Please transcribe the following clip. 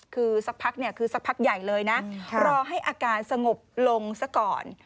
คือสักพักใหญ่เลยนะรอให้อาการสงบลงสักก่อน